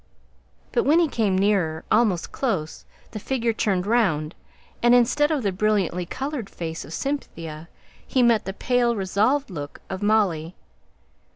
But when he came nearer, almost close, the figure turned round, and, instead of the brilliantly coloured face of Cynthia, he met the pale resolved look of Molly.